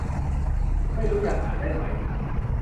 ไม่รู้ยังอ่านได้ไหม